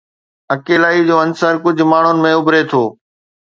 اڪيلائي جو عنصر ڪجهه ماڻهن ۾ اڀري ٿو